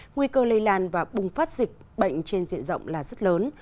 nguy cơ lây lan và bùng phát dịch bệnh trên diện rộng là rất lớn